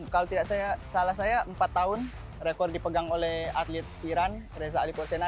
kalau tidak salah saya empat tahun rekor dipegang oleh atlet iran reza ali porsena